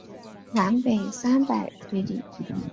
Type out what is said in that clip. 南北三百余里。